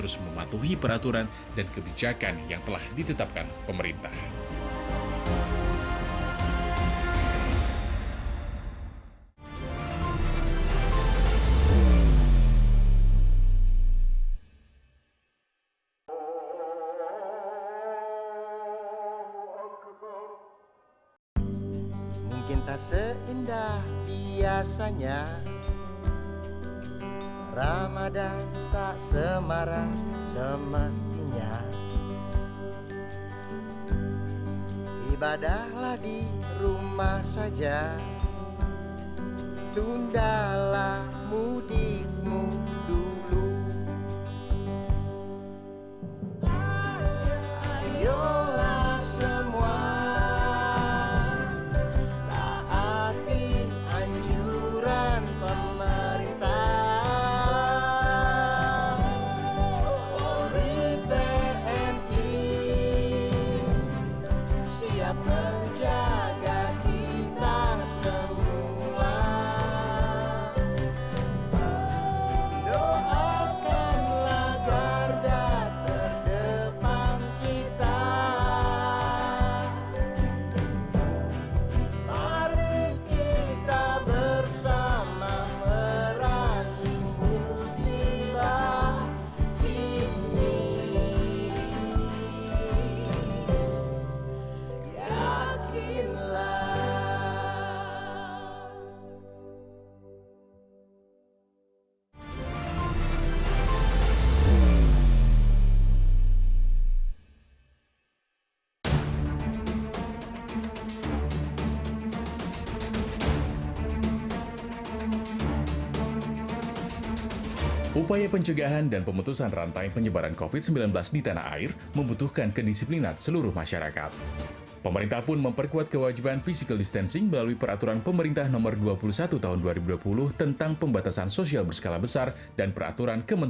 seperti pengukuran suhu tubuh di tempat umum dan penyemprotan disinfektan di lokasi lokasi umum